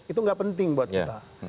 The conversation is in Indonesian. itu nggak penting buat kita